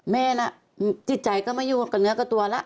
แม่ล่ะจิตใจก็ไม่อยู่กับเนื้อกับตัวแล้ว